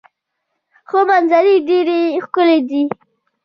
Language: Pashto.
خو منظرې یې ډیرې ښکلې دي.